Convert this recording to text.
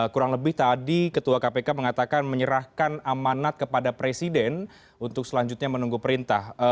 kurang lebih tadi ketua kpk mengatakan menyerahkan amanat kepada presiden untuk selanjutnya menunggu perintah